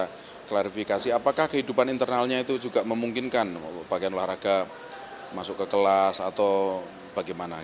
kita klarifikasi apakah kehidupan internalnya itu juga memungkinkan bagian olahraga masuk ke kelas atau bagaimana